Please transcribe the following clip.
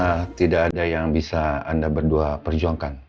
karena tidak ada yang bisa anda berdua perjuangkan